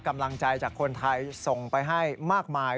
กำลังใจจากคนไทยส่งไปให้มากมาย